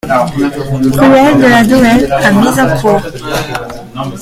Ruelle de la Dohette à Messincourt